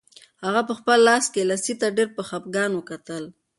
هغه په خپل لاس کې لسی ته په ډېر خپګان وکتل.